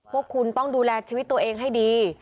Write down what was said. พวกคุณต้องดูแลชีวิตตัวเองให้ดี